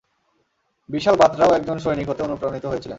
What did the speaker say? বিশাল বাতরাও একজন সৈনিক হতে অনুপ্রাণিত হয়েছিলেন।